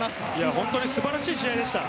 本当素晴らしい試合でした。